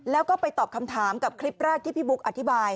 แล้วก็ไปตอบคำถามกับคลิปแรกที่พี่บุ๊กอธิบาย